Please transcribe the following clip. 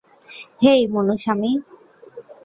হেই, Munusamy.